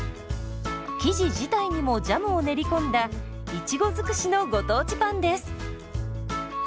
生地自体にもジャムを練り込んだいちご尽くしのご当地パンです。